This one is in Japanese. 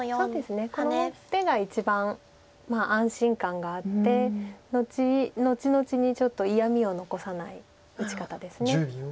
この手が一番安心感があって後々にちょっと嫌みを残さない打ち方です。